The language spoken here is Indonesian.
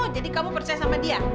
oh jadi kamu percaya sama dia